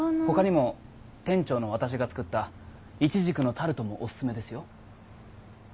他にも店長の私が作ったいちじくのタルトもおすすめですよ。